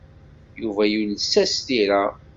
Yuba yules-as tira.